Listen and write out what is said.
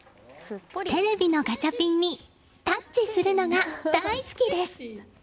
テレビのガチャピンにタッチするのが大好きです。